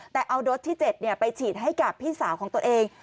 แต่เอาโดสที่๗ไปฉีดให้กับพี่สาวของตัวเอง